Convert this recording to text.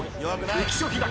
浮所飛貴。